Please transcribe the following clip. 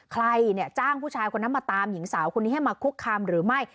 ใครเนี่ยจ้างผู้ชายคนนั้นมาตามหญิงสาวคนนี้ให้มาคุกคามหรือไม่